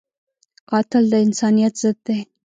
قاتل د انسانیت ضد دی